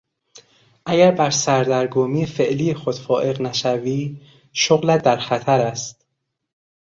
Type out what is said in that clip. اگر بر سردرگمی فعلی خود فائق نشوی شغلت در خطر است.